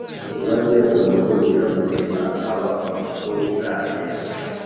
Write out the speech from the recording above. maze umuntu iramurema, aba umukurambere